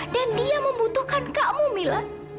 dia membutuhkan kamu mila